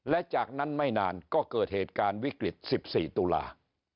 และจากนั้นไม่นานก็เกิดเหตุการณ์วิกฤต๑๔ตุลา